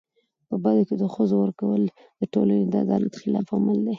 په بدو کي د ښځو ورکول د ټولني د عدالت خلاف عمل دی.